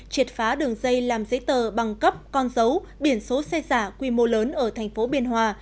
triệt phá đường dây làm giấy tờ bằng cấp con dấu biển số xe giả quy mô lớn ở thành phố biên hòa